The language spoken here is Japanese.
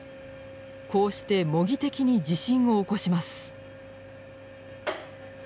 こうして模擬的に地震を起こします。